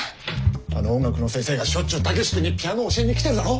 あの音楽の先生がしょっちゅう武志君にピアノを教えに来てるだろ。